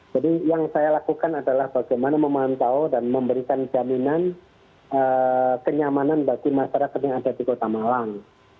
jadi yang saya lakukan adalah bagaimana memantau dan memberikan jaminan kenyamanan bagi masyarakat yang ada di kota malang